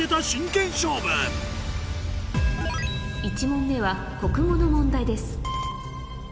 １問目は国語の問題です